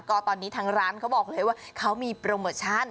ก็ตอนนี้ทางร้านเขาบอกเลยว่าเขามีโปรโมชั่น